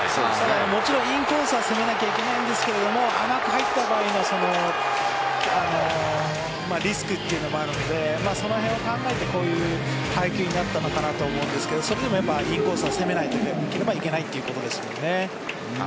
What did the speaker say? もちろんインコースは攻めなきゃいけないんですが甘く入った場合のリスクというのもあるのでその辺を考えてこういう配球になったのかなと思うんですがそれでもインコースは攻めないといけないということですよね。